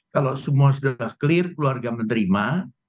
kalau semua sudah clear keluarga menerima